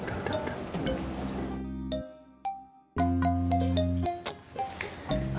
a ceng sama dadah